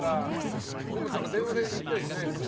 電話で言ったりしないんですか？